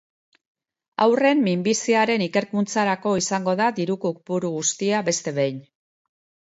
Haurren minbiziaren ikerkuntzarako izango da diru kopuru guztia beste behin.